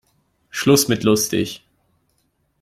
Schluss mit lustig!